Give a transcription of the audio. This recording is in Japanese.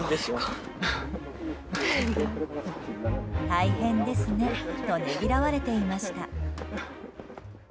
大変ですねとねぎらわれていました。